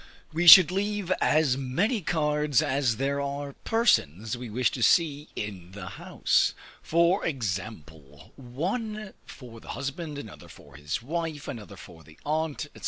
We should leave as many cards as there are persons we wish to see in the house; for example, one for the husband, another for his wife, another for the aunt, &c.